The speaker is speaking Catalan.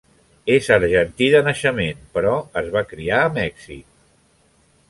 És argentí de naixement, però es va criar en Mèxic.